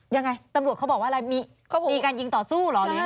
ยังไงตำรวจเขาบอกว่าอะไรมีการยิงต่อสู้เหรอหรือ